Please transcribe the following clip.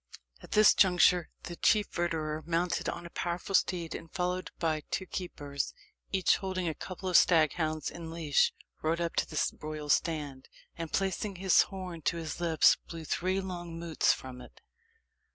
At this juncture the chief verderer, mounted on a powerful steed, and followed by two keepers, each holding a couple of stag hounds in leash, rode up to the royal stand, and placing his horn to his lips, blew three long mootes from it.